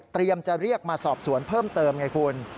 จะเรียกมาสอบสวนเพิ่มเติมไงคุณ